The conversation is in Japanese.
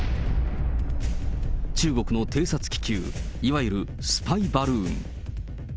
中国の偵察気球、いわゆるスパイ・バルーン。